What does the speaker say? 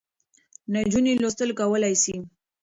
نجونې لوستل کولای سي.